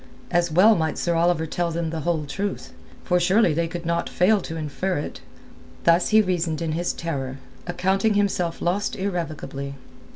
As well might Sir Oliver tell them the whole truth, for surely they could not fail to infer it. Thus he reasoned in his terror, accounting himself lost irrevocably.